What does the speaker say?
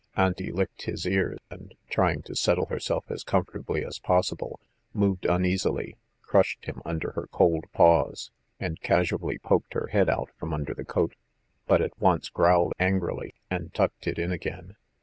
Auntie licked his ear, and, trying to settle herself as comfortably as possible, moved uneasily, crushed him under her cold paws, and casually poked her head out from under the coat, but at once growled angrily, and tucked it in again.